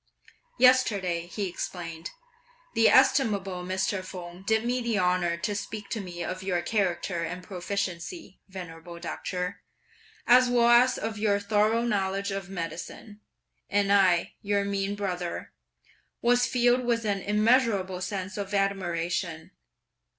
"Yesterday," he explained, "the estimable Mr. Feng did me the honour to speak to me of your character and proficiency, venerable doctor, as well as of your thorough knowledge of medicine, and I, your mean brother, was filled with an immeasurable sense of admiration!"